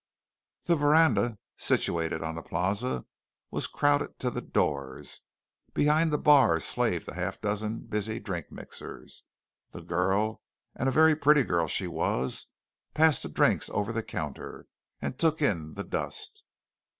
The Verandah, situated on the Plaza, was crowded to the doors. Behind the bar slaved a half dozen busy drink mixers. The girl, and a very pretty girl she was, passed the drinks over the counter, and took in the dust.